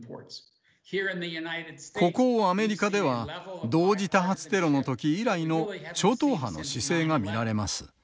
ここアメリカでは同時多発テロの時以来の超党派の姿勢が見られます。